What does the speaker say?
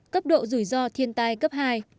cấp độ rủi ro thiên tai cấp hai